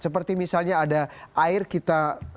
seperti misalnya ada air kita